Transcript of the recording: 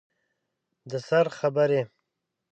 د سر خبرې